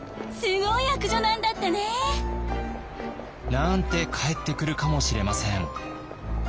なんて返ってくるかもしれません。